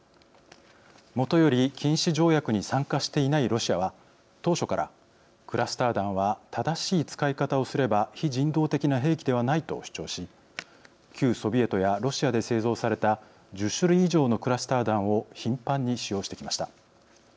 もとより、禁止条約に参加していないロシアは当初からクラスター弾は正しい使い方をすれば非人道的な兵器ではないと主張し旧ソビエトやロシアで製造された１０種類以上のクラスター弾を頻繁に使用してきました。